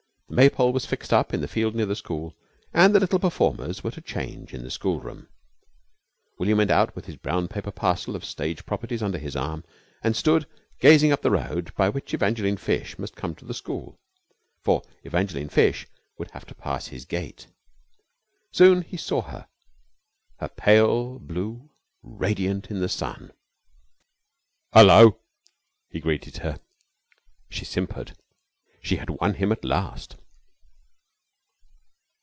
The Maypole was fixed up in the field near the school, and the little performers were to change in the schoolroom. William went out with his brown paper parcel of stage properties under his arm and stood gazing up the road by which Evangeline Fish must come to the school. For Evangeline Fish would have to pass his gate. Soon he saw her, her pale blue radiant in the sun. "'Ullo!" he greeted her. She simpered. She had won him at last.